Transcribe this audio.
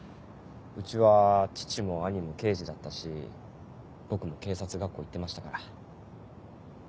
うちは父も兄も刑事だったし僕も警察学校行ってましたから。